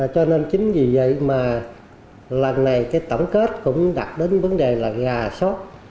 cho nên chính vì vậy mà lần này cái tổng kết cũng đặt đến vấn đề là gà sót